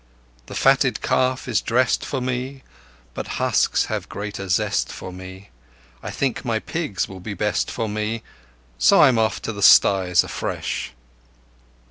The fatted calf is dressed for me, But the husks have greater zest for me ... I think my pigs will be best for me, So I'm off to the styes afresh.